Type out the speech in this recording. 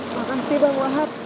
makasih bang wahab